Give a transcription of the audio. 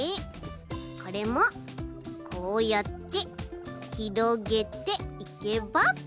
これもこうやってひろげていけば。